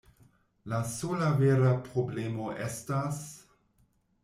La sola vera problemo estas...